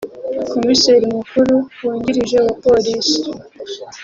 Komiseri Mukuru Wungirije wa Polisi